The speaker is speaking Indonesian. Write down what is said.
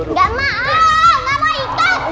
nggak mau ikut